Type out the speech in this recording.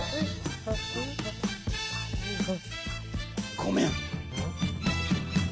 ごめん！